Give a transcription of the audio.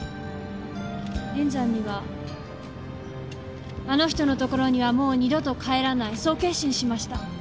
塩山にはあの人のところにはもう二度と帰らないそう決心しました。